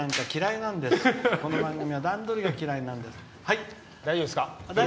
この番組は段取りが嫌いなんです。